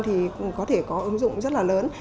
thì có thể có ứng dụng rất là lớn